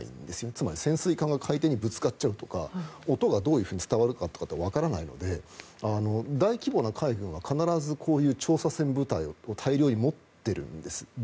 つまり潜水艦が海底にぶつかっちゃうとか音がどう伝わるかとかがわからないので大規模な海軍は必ずこういう調査船部隊を大量に持っているんです。